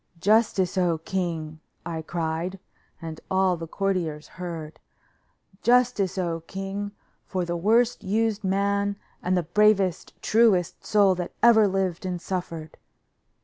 "Justice, O king!" I cried, and all the courtiers heard. "Justice, O king! for the worst used man and the bravest, truest soul that ever lived and suffered."